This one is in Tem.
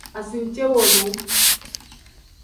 Asincewolu.